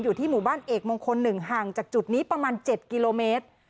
อยู่ที่หมู่บ้านเอกมงคล๑ห่างจากจุดนี้ประมาณ๗กิโลเมตร